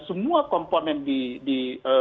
semua komponen di